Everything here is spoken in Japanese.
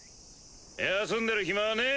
休んでる暇はねぇ。